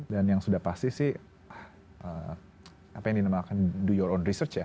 dan yang sudah pasti sih apa yang dinamakan do your own research ya